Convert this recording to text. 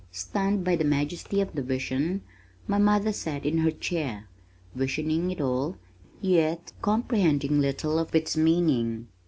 Stunned by the majesty of the vision, my mother sat in her chair, visioning it all yet comprehending little of its meaning.